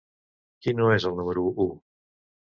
Qui no és el número u?